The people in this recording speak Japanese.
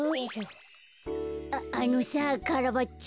あのさカラバッチョ。